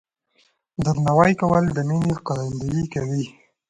درناوی کول د مینې ښکارندویي کوي.